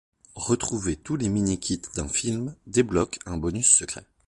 Retrouver tous les mini-kits d'un film débloque un bonus secret.